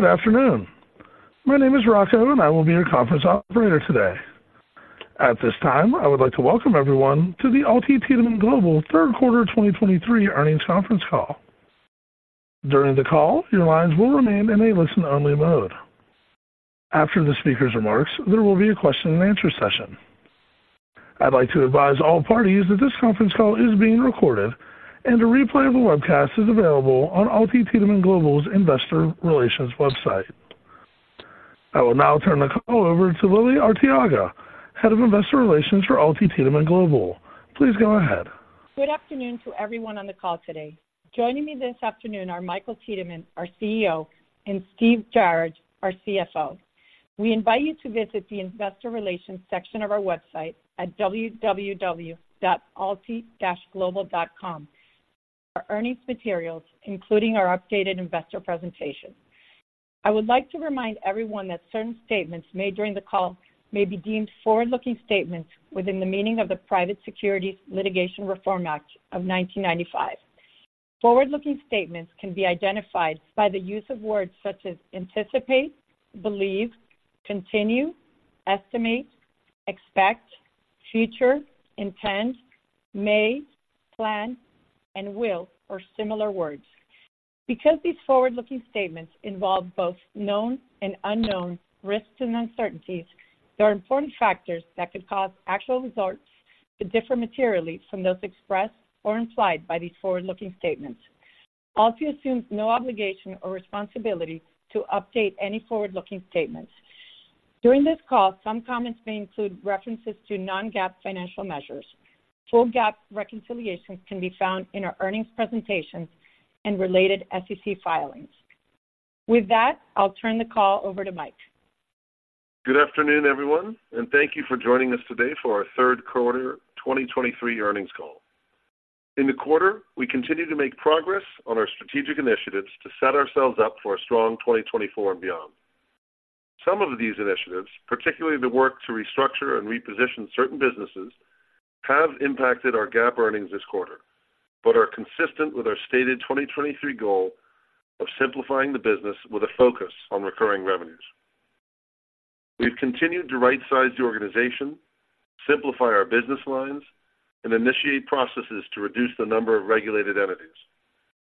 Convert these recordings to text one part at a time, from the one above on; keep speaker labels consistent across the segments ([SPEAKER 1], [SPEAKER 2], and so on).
[SPEAKER 1] Good afternoon. My name is Rocco, and I will be your conference operator today. At this time, I would like to welcome everyone to the AlTi Tiedemann Global Third Quarter 2023 Earnings Conference Call. During the call, your lines will remain in a listen-only mode. After the speaker's remarks, there will be a question and answer session. I'd like to advise all parties that this conference call is being recorded, and a replay of the webcast is available on AlTi Tiedemann Global's investor relations website. I will now turn the call over to Lily Arteaga, Head of Investor Relations for AlTi Tiedemann Global. Please go ahead.
[SPEAKER 2] Good afternoon to everyone on the call today. Joining me this afternoon are Michael Tiedemann, our CEO, and Steve Yarad, our CFO. We invite you to visit the investor relations section of our website at www.alti-global.com for earnings materials, including our updated investor presentation. I would like to remind everyone that certain statements made during the call may be deemed forward-looking statements within the meaning of the Private Securities Litigation Reform Act of 1995. Forward-looking statements can be identified by the use of words such as anticipate, believe, continue, estimate, expect, future, intend, may, plan, and will, or similar words. Because these forward-looking statements involve both known and unknown risks and uncertainties, there are important factors that could cause actual results to differ materially from those expressed or implied by these forward-looking statements. AlTi assumes no obligation or responsibility to update any forward-looking statements. During this call, some comments may include references to non-GAAP financial measures. Full GAAP reconciliations can be found in our earnings presentation and related SEC filings. With that, I'll turn the call over to Mike.
[SPEAKER 3] Good afternoon, everyone, and thank you for joining us today for our Third Quarter 2023 Earnings Call. In the quarter, we continued to make progress on our strategic initiatives to set ourselves up for a strong 2024 and beyond. Some of these initiatives, particularly the work to restructure and reposition certain businesses, have impacted our GAAP earnings this quarter, but are consistent with our stated 2023 goal of simplifying the business with a focus on recurring revenues. We've continued to rightsize the organization, simplify our business lines, and initiate processes to reduce the number of regulated entities.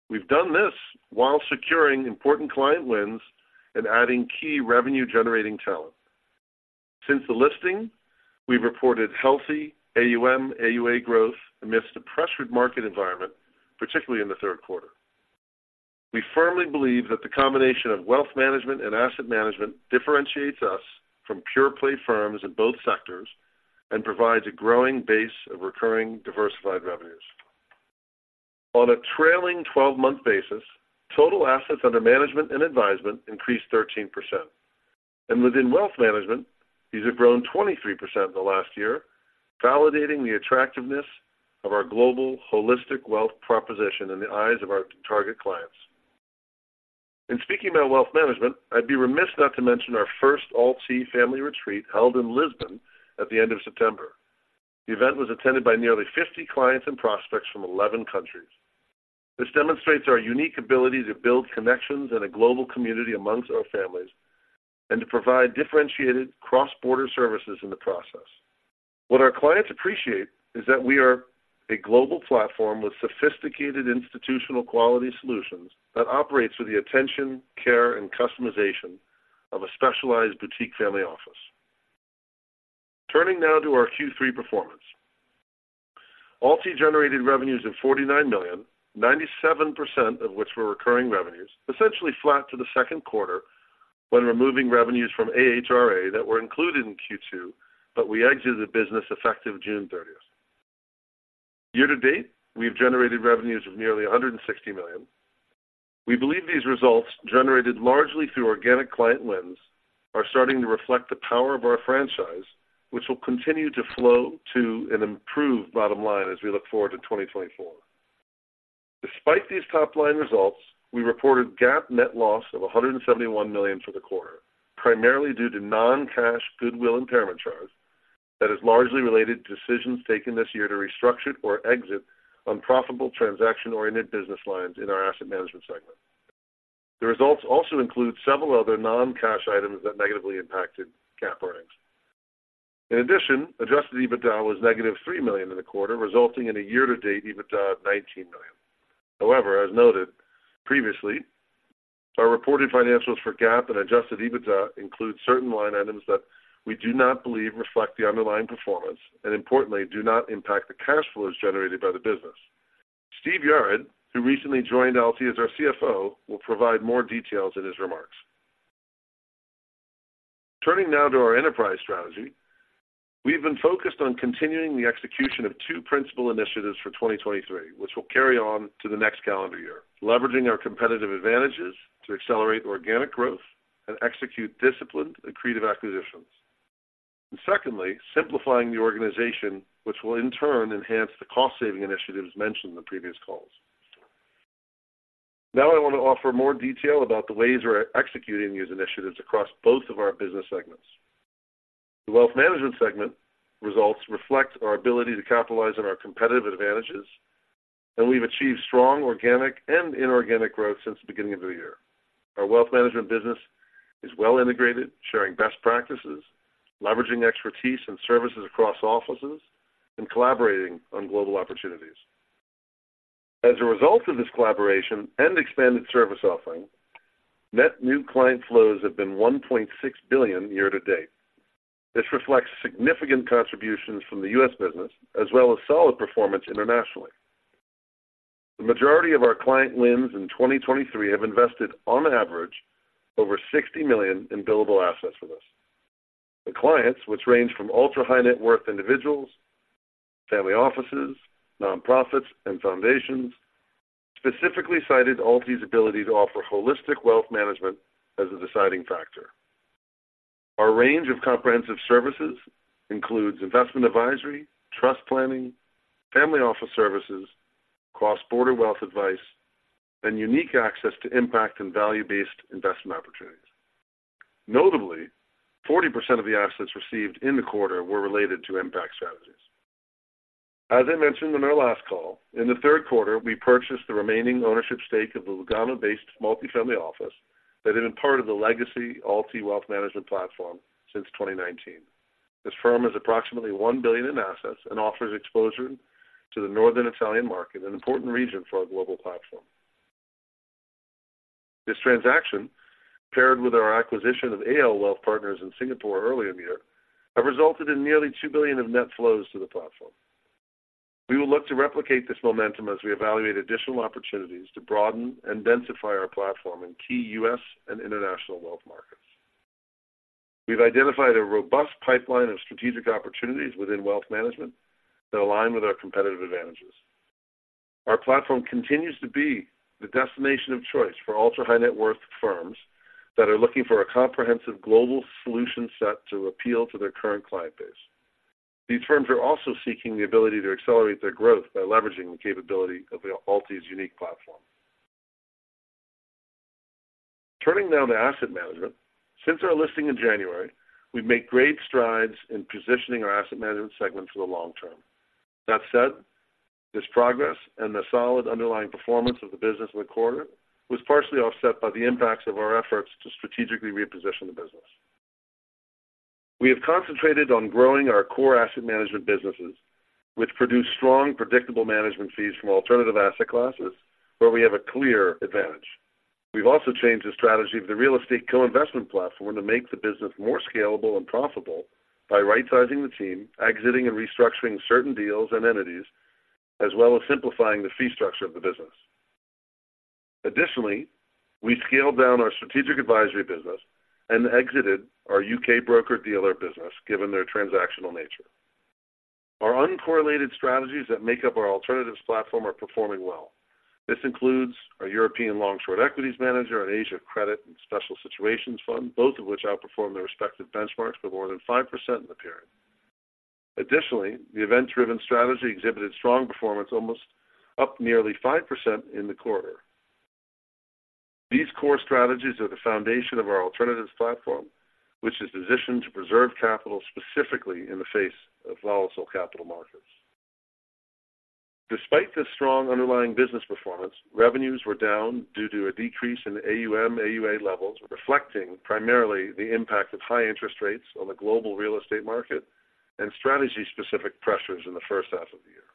[SPEAKER 3] We've done this while securing important client wins and adding key revenue-generating talent. Since the listing, we've reported healthy AUM, AUA growth amidst a pressured market environment, particularly in the third quarter. We firmly believe that the combination of wealth management and asset management differentiates us from pure-play firms in both sectors and provides a growing base of recurring, diversified revenues. On a trailing twelve-month basis, total assets under management and advisement increased 13%, and within wealth management, these have grown 23% in the last year, validating the attractiveness of our global holistic wealth proposition in the eyes of our target clients. In speaking about wealth management, I'd be remiss not to mention our first AlTi family retreat, held in Lisbon at the end of September. The event was attended by nearly 50 clients and prospects from 11 countries. This demonstrates our unique ability to build connections in a global community amongst our families and to provide differentiated cross-border services in the process. What our clients appreciate is that we are a global platform with sophisticated institutional quality solutions that operates with the attention, care, and customization of a specialized boutique family office. Turning now to our Q3 performance. AlTi generated revenues of $49 million, 97% of which were recurring revenues, essentially flat to the second quarter when removing revenues from AHRA that were included in Q2, but we exited the business effective June 30th. Year to date, we've generated revenues of nearly $160 million. We believe these results, generated largely through organic client wins, are starting to reflect the power of our franchise, which will continue to flow to an improved bottom line as we look forward to 2024. Despite these top-line results, we reported GAAP net loss of $171 million for the quarter, primarily due to non-cash goodwill impairment charge that is largely related to decisions taken this year to restructure or exit unprofitable transaction-oriented business lines in our asset management segment. The results also include several other non-cash items that negatively impacted GAAP earnings. In addition, adjusted EBITDA was negative $3 million in the quarter, resulting in a year-to-date EBITDA of $19 million. However, as noted previously, our reported financials for GAAP and adjusted EBITDA include certain line items that we do not believe reflect the underlying performance and importantly, do not impact the cash flows generated by the business. Steve Yarad, who recently joined AlTi as our CFO, will provide more details in his remarks. Turning now to our enterprise strategy. We've been focused on continuing the execution of two principal initiatives for 2023, which will carry on to the next calendar year, leveraging our competitive advantages to accelerate organic growth and execute disciplined and creative acquisitions. Secondly, simplifying the organization, which will in turn enhance the cost-saving initiatives mentioned in the previous calls. Now, I want to offer more detail about the ways we're executing these initiatives across both of our business segments. The wealth management segment results reflect our ability to capitalize on our competitive advantages, and we've achieved strong organic and inorganic growth since the beginning of the year. Our wealth management business is well integrated, sharing best practices, leveraging expertise and services across offices, and collaborating on global opportunities. As a result of this collaboration and expanded service offering, net new client flows have been $1.6 billion year to date. This reflects significant contributions from the U.S. business as well as solid performance internationally. The majority of our client wins in 2023 have invested, on average, over $60 million in billable assets with us. The clients, which range from ultra-high-net-worth individuals, family offices, nonprofits, and foundations, specifically cited AlTi's ability to offer holistic wealth management as a deciding factor. Our range of comprehensive services includes investment advisory, trust planning, family office services, cross-border wealth advice, and unique access to impact and value-based investment opportunities. Notably, 40% of the assets received in the quarter were related to impact strategies. As I mentioned on our last call, in the third quarter, we purchased the remaining ownership stake of the Lugano-based multifamily office that had been part of the legacy AlTi Wealth Management platform since 2019. This firm has approximately $1 billion in assets and offers exposure to the Northern Italian market, an important region for our global platform. This transaction, paired with our acquisition of AL Wealth Partners in Singapore earlier in the year, have resulted in nearly $2 billion of net flows to the platform. We will look to replicate this momentum as we evaluate additional opportunities to broaden and densify our platform in key U.S. and international wealth markets. We've identified a robust pipeline of strategic opportunities within wealth management that align with our competitive advantages. Our platform continues to be the destination of choice for ultra-high-net-worth firms that are looking for a comprehensive global solution set to appeal to their current client base. These firms are also seeking the ability to accelerate their growth by leveraging the capability of AlTi's unique platform. Turning now to asset management. Since our listing in January, we've made great strides in positioning our asset management segment for the long term. That said, this progress and the solid underlying performance of the business in the quarter was partially offset by the impacts of our efforts to strategically reposition the business. We have concentrated on growing our core asset management businesses, which produce strong, predictable management fees from alternative asset classes, where we have a clear advantage. We've also changed the strategy of the real estate co-investment platform to make the business more scalable and profitable by rightsizing the team, exiting and restructuring certain deals and entities, as well as simplifying the fee structure of the business. Additionally, we scaled down our strategic advisory business and exited our U.K. broker-dealer business, given their transactional nature. Our uncorrelated strategies that make up our alternatives platform are performing well. This includes our European long/short equities manager and Asia Credit and Special Situations Fund, both of which outperformed their respective benchmarks by more than 5% in the period. Additionally, the event-driven strategy exhibited strong performance, almost up nearly 5% in the quarter. These core strategies are the foundation of our alternatives platform, which is positioned to preserve capital, specifically in the face of volatile capital markets. Despite this strong underlying business performance, revenues were down due to a decrease in AUM, AUA levels, reflecting primarily the impact of high interest rates on the global real estate market and strategy-specific pressures in the first half of the year.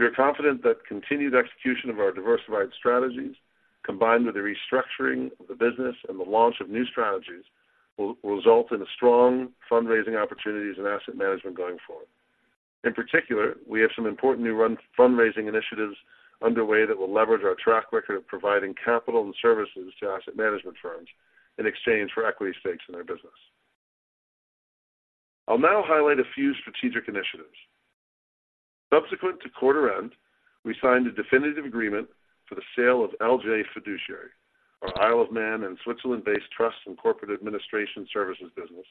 [SPEAKER 3] We are confident that continued execution of our diversified strategies, combined with the restructuring of the business and the launch of new strategies, will result in a strong fundraising opportunities in asset management going forward. In particular, we have some important new fundraising initiatives underway that will leverage our track record of providing capital and services to asset management firms in exchange for equity stakes in their business. I'll now highlight a few strategic initiatives. Subsequent to quarter end, we signed a definitive agreement for the sale of LJ Fiduciary, our Isle of Man and Switzerland-based trust and corporate administration services business,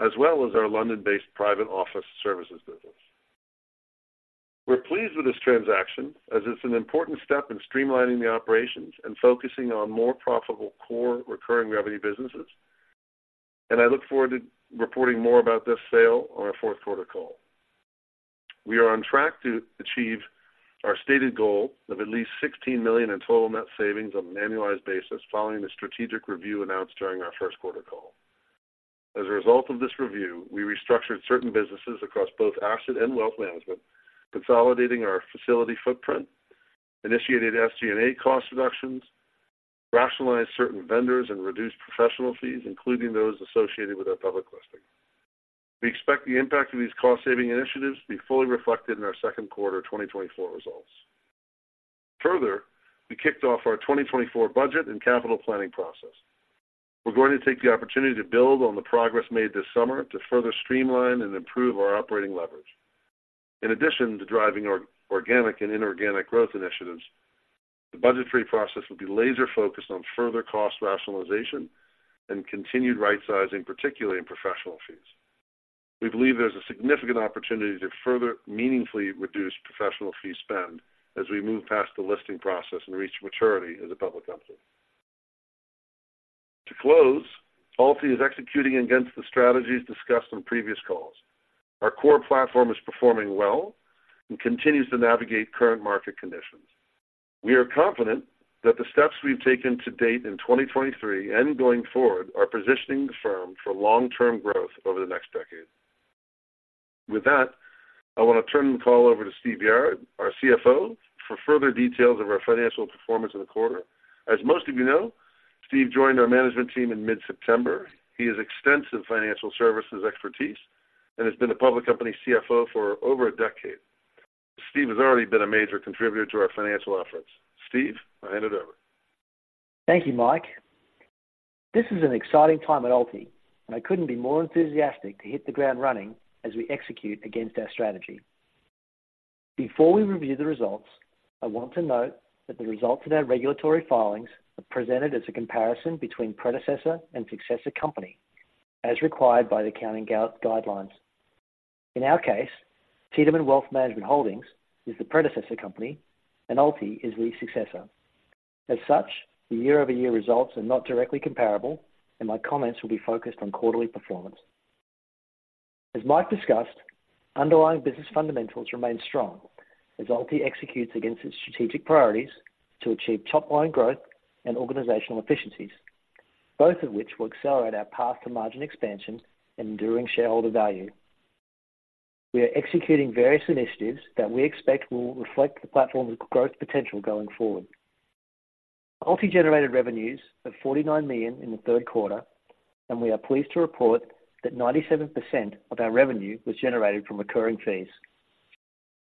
[SPEAKER 3] as well as our London-based private office services business. We're pleased with this transaction as it's an important step in streamlining the operations and focusing on more profitable, core recurring revenue businesses, and I look forward to reporting more about this sale on our fourth quarter call. We are on track to achieve our stated goal of at least $16 million in total net savings on an annualized basis following the strategic review announced during our first quarter call. As a result of this review, we restructured certain businesses across both asset and wealth management, consolidating our facility footprint, initiated SG&A cost reductions, rationalized certain vendors, and reduced professional fees, including those associated with our public listing. We expect the impact of these cost-saving initiatives to be fully reflected in our second quarter 2024 results. Further, we kicked off our 2024 budget and capital planning process. We're going to take the opportunity to build on the progress made this summer to further streamline and improve our operating leverage. In addition to driving our organic and inorganic growth initiatives, the budgetary process will be laser focused on further cost rationalization and continued right sizing, particularly in professional fees. We believe there's a significant opportunity to further meaningfully reduce professional fee spend as we move past the listing process and reach maturity as a public company. To close, AlTi is executing against the strategies discussed on previous calls. Our core platform is performing well and continues to navigate current market conditions. We are confident that the steps we've taken to date in 2023 and going forward are positioning the firm for long-term growth over the next decade. With that, I want to turn the call over to Steve Yarad, our CFO, for further details of our financial performance in the quarter. As most of you know, Steve joined our management team in mid-September. He has extensive financial services expertise and has been a public company CFO for over a decade. Steve has already been a major contributor to our financial efforts. Steve, I hand it over.
[SPEAKER 4] Thank you, Mike. This is an exciting time at AlTi, and I couldn't be more enthusiastic to hit the ground running as we execute against our strategy. Before we review the results, I want to note that the results in our regulatory filings are presented as a comparison between predecessor and successor company, as required by the accounting guidelines. In our case, Tiedemann Wealth Management Holdings is the predecessor company and AlTi is the successor. As such, the year-over-year results are not directly comparable and my comments will be focused on quarterly performance. As Mike discussed, underlying business fundamentals remain strong as AlTi executes against its strategic priorities to achieve top line growth and organizational efficiencies, both of which will accelerate our path to margin expansion and enduring shareholder value. We are executing various initiatives that we expect will reflect the platform's growth potential going forward. AlTi generated revenues of $49 million in the third quarter, and we are pleased to report that 97% of our revenue was generated from recurring fees.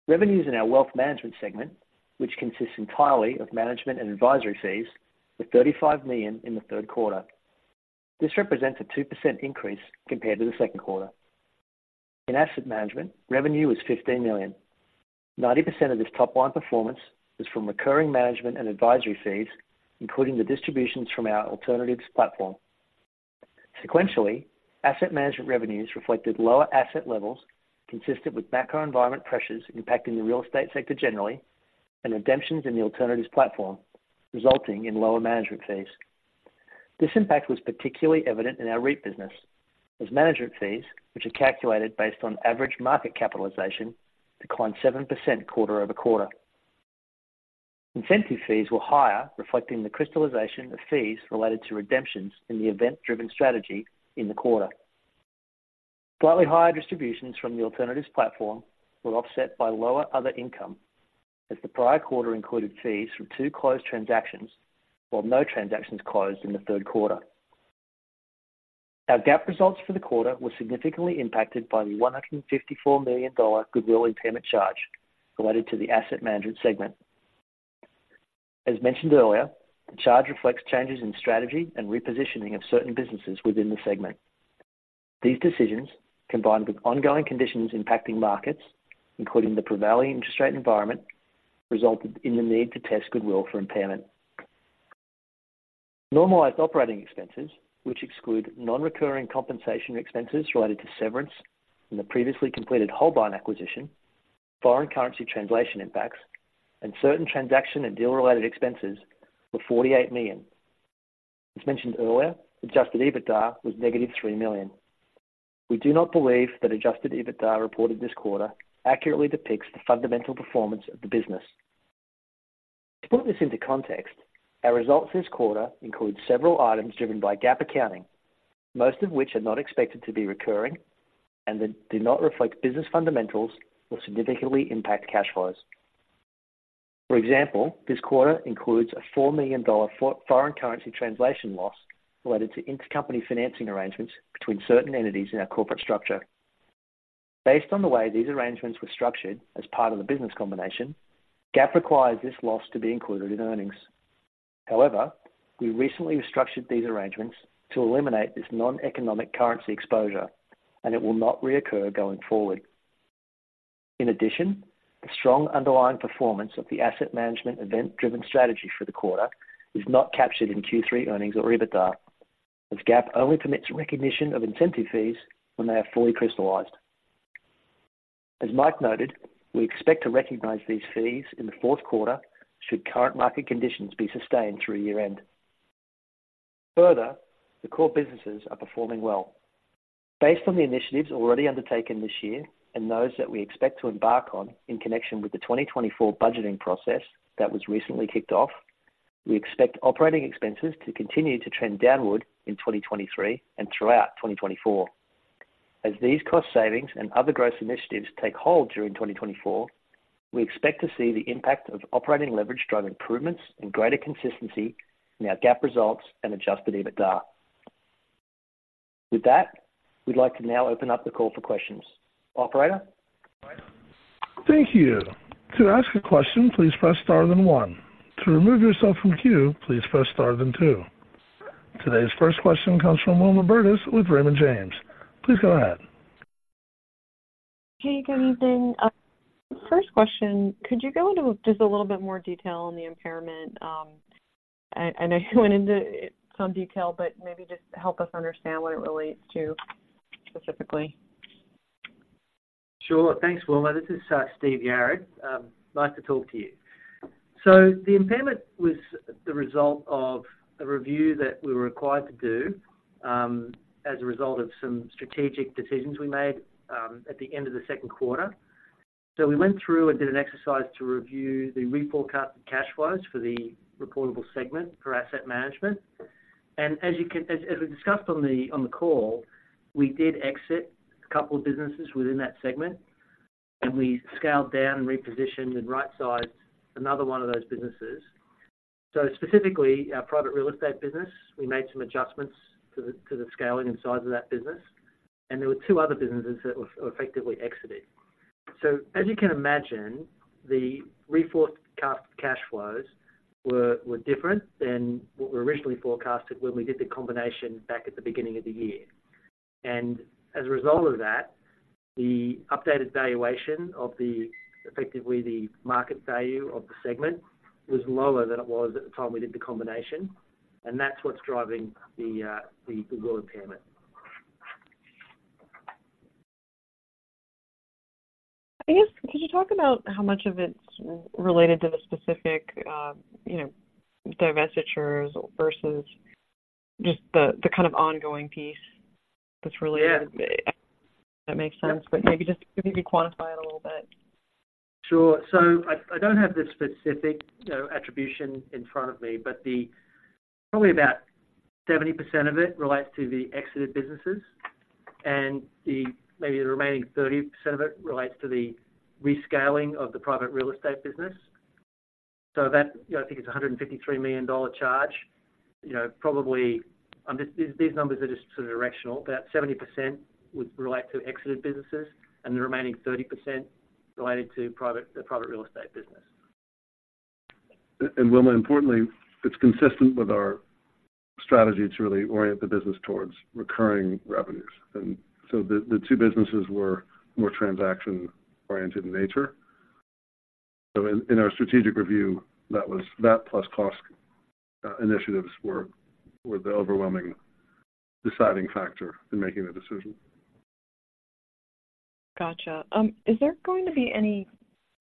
[SPEAKER 4] Revenues in our wealth management segment, which consists entirely of management and advisory fees, were $35 million in the third quarter. This represents a 2% increase compared to the second quarter. In asset management, revenue was $15 million. 90% of this top line performance is from recurring management and advisory fees, including the distributions from our alternatives platform. Sequentially, asset management revenues reflected lower asset levels, consistent with macro environment pressures impacting the real estate sector generally and redemptions in the alternatives platform, resulting in lower management fees. This impact was particularly evident in our REIT business, as management fees, which are calculated based on average market capitalization, declined 7% quarter-over-quarter. Incentive fees were higher, reflecting the crystallization of fees related to redemptions in the event-driven strategy in the quarter. Slightly higher distributions from the alternatives platform were offset by lower other income, as the prior quarter included fees from two closed transactions, while no transactions closed in the third quarter. Our GAAP results for the quarter were significantly impacted by the $154 million goodwill impairment charge related to the asset management segment. As mentioned earlier, the charge reflects changes in strategy and repositioning of certain businesses within the segment. These decisions, combined with ongoing conditions impacting markets, including the prevailing interest rate environment, resulted in the need to test goodwill for impairment. Normalized operating expenses, which exclude non-recurring compensation expenses related to severance and the previously completed Holbein acquisition, foreign currency translation impacts, and certain transaction and deal related expenses, were $48 million. As mentioned earlier, adjusted EBITDA was -$3 million. We do not believe that adjusted EBITDA reported this quarter accurately depicts the fundamental performance of the business. To put this into context, our results this quarter include several items driven by GAAP accounting, most of which are not expected to be recurring and that do not reflect business fundamentals or significantly impact cash flows. For example, this quarter includes a $4 million foreign currency translation loss related to intercompany financing arrangements between certain entities in our corporate structure. Based on the way these arrangements were structured as part of the business combination, GAAP requires this loss to be included in earnings. However, we recently restructured these arrangements to eliminate this non-economic currency exposure, and it will not reoccur going forward. In addition, the strong underlying performance of the asset management event-driven strategy for the quarter is not captured in Q3 earnings or EBITDA, as GAAP only permits recognition of incentive fees when they are fully crystallized. As Mike noted, we expect to recognize these fees in the fourth quarter should current market conditions be sustained through year-end. Further, the core businesses are performing well. Based on the initiatives already undertaken this year and those that we expect to embark on in connection with the 2024 budgeting process that was recently kicked off, we expect operating expenses to continue to trend downward in 2023 and throughout 2024. As these cost savings and other growth initiatives take hold during 2024, we expect to see the impact of operating leverage drive improvements and greater consistency in our GAAP results and Adjusted EBITDA. With that, we'd like to now open up the call for questions. Operator?
[SPEAKER 1] Thank you. To ask a question, please press Star then one. To remove yourself from queue, please press Star then two. Today's first question comes from Wilma Burdis with Raymond James. Please go ahead.
[SPEAKER 5] Hey, good evening. First question, could you go into just a little bit more detail on the impairment? I know you went into some detail, but maybe just help us understand what it relates to specifically.
[SPEAKER 4] Sure. Thanks, Wilma. This is Steve Yarad. Like to talk to you. So the impairment was the result of a review that we were required to do as a result of some strategic decisions we made at the end of the second quarter. So we went through and did an exercise to review the reforecast cash flows for the reportable segment for asset management. And as we discussed on the call, we did exit a couple of businesses within that segment, and we scaled down and repositioned and right-sized another one of those businesses. So specifically, our private real estate business, we made some adjustments to the scaling and size of that business, and there were two other businesses that were effectively exited. As you can imagine, the reforecast cash flows were different than what were originally forecasted when we did the combination back at the beginning of the year. As a result of that, the updated valuation of the, effectively, the market value of the segment was lower than it was at the time we did the combination, and that's what's driving the goodwill impairment.
[SPEAKER 5] I guess, could you talk about how much of it's related to the specific, you know, divestitures versus just the, the kind of ongoing piece that's really-
[SPEAKER 4] Yeah.
[SPEAKER 5] If that makes sense. But maybe just, maybe quantify it a little bit.
[SPEAKER 4] Sure. So I don't have the specific, you know, attribution in front of me, but the, probably about 70% of it relates to the exited businesses, and the, maybe the remaining 30% of it relates to the rescaling of the private real estate business. So that, you know, I think it's a $153 million charge, you know, probably, these, these numbers are just sort of directional. About 70% would relate to exited businesses, and the remaining 30% related to private, the private real estate business.
[SPEAKER 3] Wilma, importantly, it's consistent with our strategy to really orient the business towards recurring revenues. And so the two businesses were more transaction-oriented in nature. So in our strategic review, that was that plus cost initiatives were the overwhelming deciding factor in making the decision.
[SPEAKER 5] Gotcha. Is there going to be any,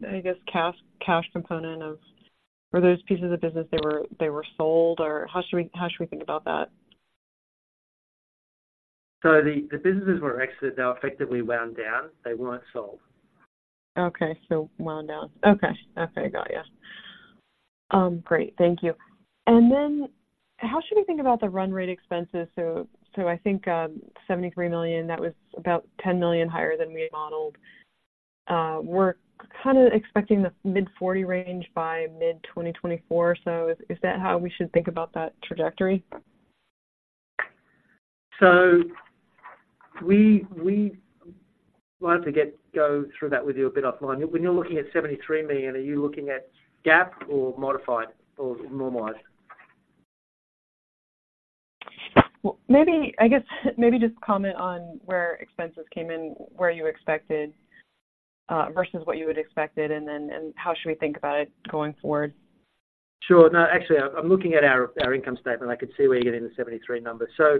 [SPEAKER 5] I guess, cash, cash component for those pieces of business, they were, they were sold, or how should we, how should we think about that?
[SPEAKER 4] So the businesses were exited. They were effectively wound down. They weren't sold.
[SPEAKER 5] Okay, so wound down. Okay. Okay, got you. Great. Thank you. And then how should we think about the run rate expenses? So, I think, $73 million, that was about $10 million higher than we modeled. We're kinda expecting the mid-$40 million range by mid-2024. So is that how we should think about that trajectory?
[SPEAKER 4] So we might have to go through that with you a bit offline. When you're looking at $73 million, are you looking at GAAP or modified or normalized?
[SPEAKER 5] Well, maybe, I guess, maybe just comment on where expenses came in, where you expected, versus what you would expected, and then, and how should we think about it going forward?
[SPEAKER 4] Sure. No, actually, I'm looking at our income statement. I can see where you're getting the 73 number. So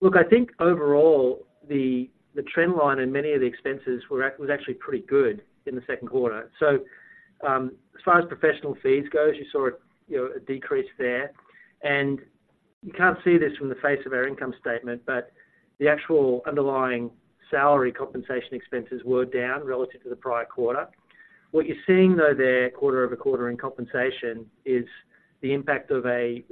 [SPEAKER 4] look, I think overall, the trend line in many of the expenses was actually pretty good in the second quarter. So, as far as professional fees go, as you saw, you know, a decrease there. And you can't see this from the face of our income statement, but the actual underlying salary compensation expenses were down relative to the prior quarter. What you're seeing, though, there, quarter over quarter in compensation, is the impact of a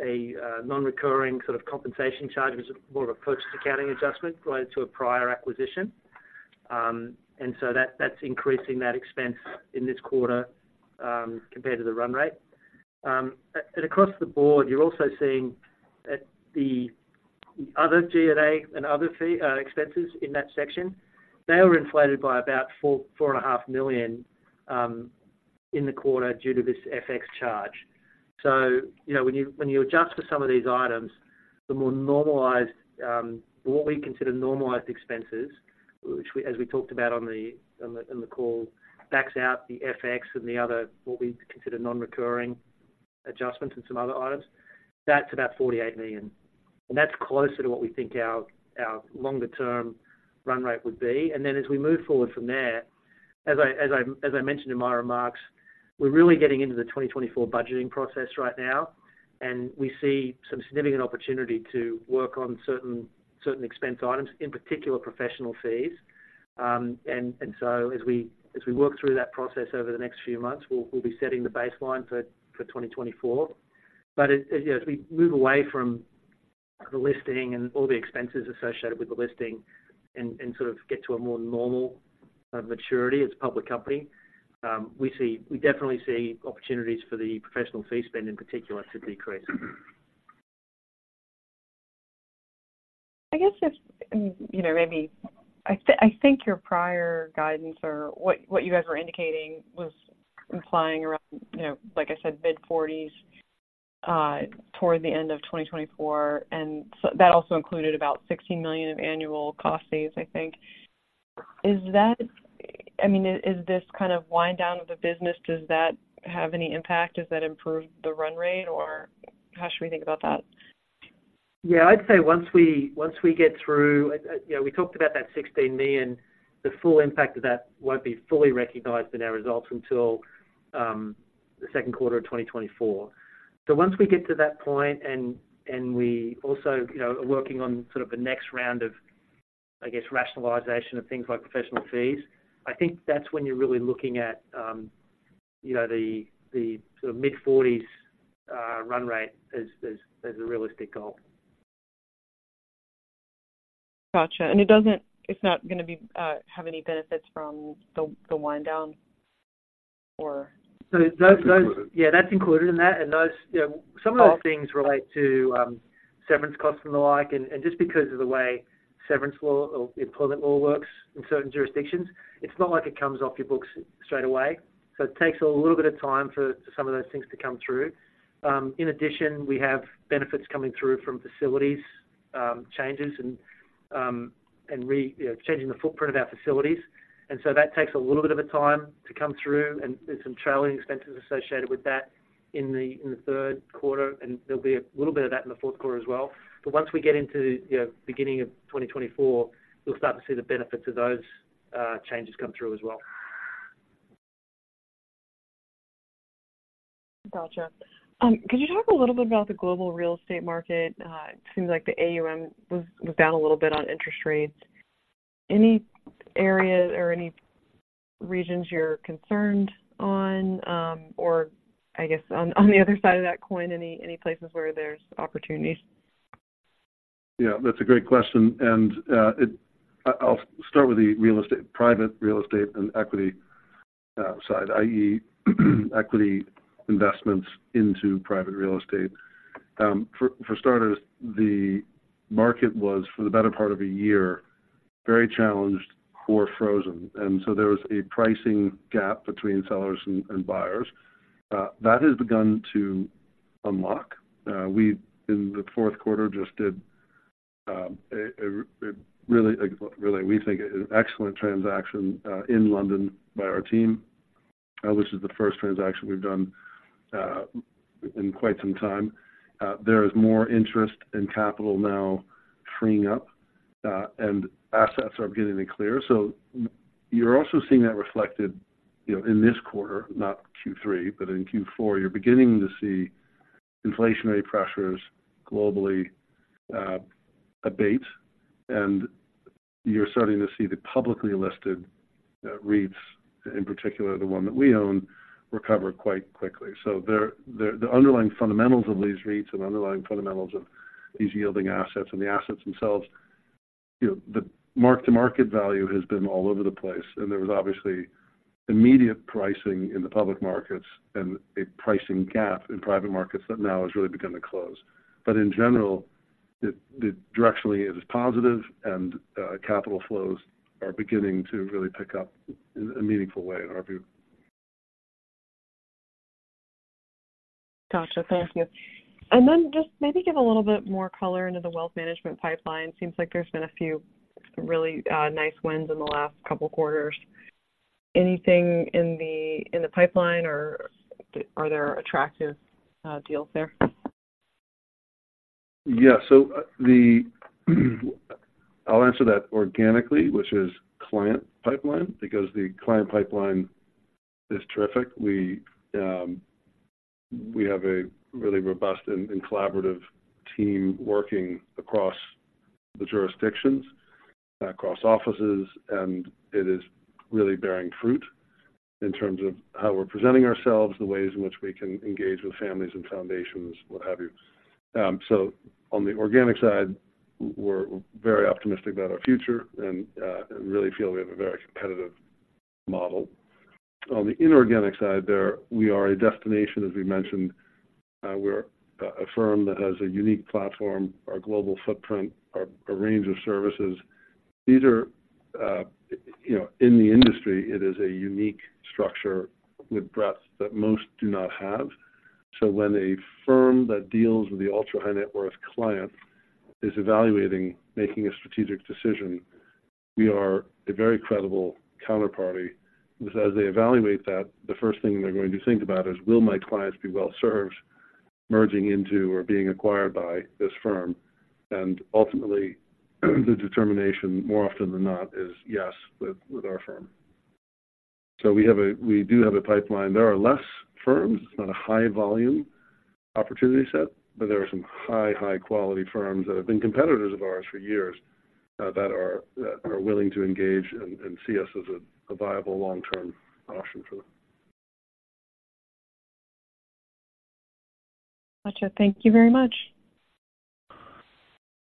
[SPEAKER 4] nonrecurring sort of compensation charge. It's more of a purchase accounting adjustment related to a prior acquisition. And so that's increasing that expense in this quarter, compared to the run rate. And across the board, you're also seeing at the other G&A and other fee expenses in that section, they were inflated by about $4-$4.5 million in the quarter due to this FX charge. So you know, when you adjust for some of these items, the more normalized what we consider normalized expenses, which as we talked about in the call, backs out the FX and the other what we consider nonrecurring adjustments and some other items, that's about $48 million. And that's closer to what we think our longer term run rate would be. And then as we move forward from there, as I mentioned in my remarks, we're really getting into the 2024 budgeting process right now, and we see some significant opportunity to work on certain expense items, in particular, professional fees. And so as we work through that process over the next few months, we'll be setting the baseline for 2024. But as you know, as we move away from the listing and all the expenses associated with the listing and sort of get to a more normal maturity as a public company, we definitely see opportunities for the professional fee spend, in particular, to decrease.
[SPEAKER 5] I guess if you know, maybe I think your prior guidance or what you guys were indicating was implying around, you know, like I said, mid-40s toward the end of 2024, and so that also included about $16 million of annual cost saves, I think. I mean, is this kind of wind down of the business, does that have any impact? Does that improve the run rate, or how should we think about that?
[SPEAKER 4] Yeah, I'd say once we get through, you know, we talked about that $16 million, the full impact of that won't be fully recognized in our results until the second quarter of 2024. So once we get to that point, and we also, you know, are working on sort of the next round of, I guess, rationalization of things like professional fees, I think that's when you're really looking at, you know, the sort of mid-40s run rate as a realistic goal.
[SPEAKER 5] Gotcha. And it doesn't, it's not gonna be, have any benefits from the, the wind down or?
[SPEAKER 4] So those
[SPEAKER 3] Included.
[SPEAKER 4] Yeah, that's included in that. And those, you know, some of those things relate to severance costs and the like. And just because of the way severance law or employment law works in certain jurisdictions, it's not like it comes off your books straight away. So it takes a little bit of time for some of those things to come through. In addition, we have benefits coming through from facilities changes and, you know, changing the footprint of our facilities. And so that takes a little bit of time to come through, and there's some trailing expenses associated with that in the third quarter, and there'll be a little bit of that in the fourth quarter as well. Once we get into, you know, beginning of 2024, you'll start to see the benefits of those changes come through as well.
[SPEAKER 5] Gotcha. Could you talk a little bit about the global real estate market? It seems like the AUM was down a little bit on interest rates. Any areas or any regions you're concerned on, or I guess, on the other side of that coin, any places where there's opportunities?
[SPEAKER 3] Yeah, that's a great question, and I'll start with the real estate, private real estate and equity, side, i.e., equity investments into private real estate. For starters, the market was, for the better part of a year, very challenged or frozen, and so there was a pricing gap between sellers and buyers. That has begun to unlock. We, in the fourth quarter, just did a really, really, we think, an excellent transaction in London by our team, which is the first transaction we've done in quite some time. There is more interest and capital now freeing up, and assets are beginning to clear. So you're also seeing that reflected, you know, in this quarter, not Q3, but in Q4, you're beginning to see inflationary pressures globally abate, and you're starting to see the publicly listed REITs, in particular, the one that we own, recover quite quickly. So the underlying fundamentals of these REITs and underlying fundamentals of these yielding assets and the assets themselves, you know, the mark-to-market value has been all over the place, and there was obviously immediate pricing in the public markets and a pricing gap in private markets that now has really begun to close. But in general, the directionally, it is positive and capital flows are beginning to really pick up in a meaningful way, in our view.
[SPEAKER 5] Gotcha. Thank you. And then just maybe give a little bit more color into the wealth management pipeline. Seems like there's been a few really nice wins in the last couple of quarters. Anything in the pipeline or are there attractive deals there?
[SPEAKER 3] Yeah. So, I'll answer that organically, which is client pipeline, because the client pipeline is terrific. We have a really robust and collaborative team working across the jurisdictions, across offices, and it is really bearing fruit in terms of how we're presenting ourselves, the ways in which we can engage with families and foundations, what have you. So on the organic side, we're very optimistic about our future and really feel we have a very competitive model. On the inorganic side, there, we are a destination, as we mentioned. We're a firm that has a unique platform, a global footprint, a range of services. These are, you know, in the industry, it is a unique structure with breadth that most do not have. So when a firm that deals with the ultra-high-net-worth client is evaluating making a strategic decision, we are a very credible counterparty because as they evaluate that, the first thing they're going to think about is: Will my clients be well served merging into or being acquired by this firm? And ultimately, the determination, more often than not, is yes, with our firm. So we do have a pipeline. There are less firms. It's not a high volume opportunity set, but there are some high quality firms that have been competitors of ours for years that are willing to engage and see us as a viable long-term option for them.
[SPEAKER 5] Gotcha. Thank you very much.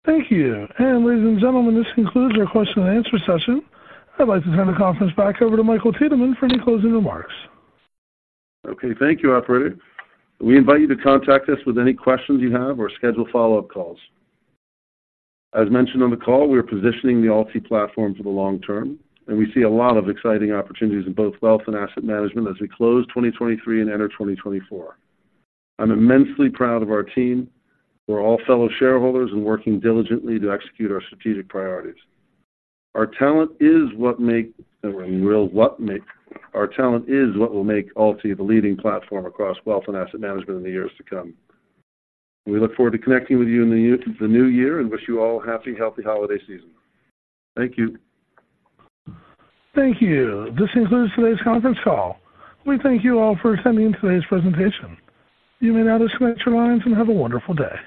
[SPEAKER 1] Thank you. Ladies and gentlemen, this concludes our question and answer session. I'd like to turn the conference back over to Michael Tiedemann for any closing remarks.
[SPEAKER 3] Okay. Thank you, Operator. We invite you to contact us with any questions you have or schedule follow-up calls. As mentioned on the call, we are positioning the AlTi platform for the long term, and we see a lot of exciting opportunities in both wealth and asset management as we close 2023 and enter 2024. I'm immensely proud of our team. We're all fellow shareholders and working diligently to execute our strategic priorities. Our talent is what will make AlTi the leading platform across wealth and asset management in the years to come. We look forward to connecting with you in the new year and wish you all a happy, healthy holiday season. Thank you.
[SPEAKER 1] Thank you. This concludes today's conference call. We thank you all for attending today's presentation. You may now disconnect your lines and have a wonderful day.